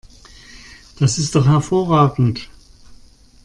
Das ist doch hervorragend!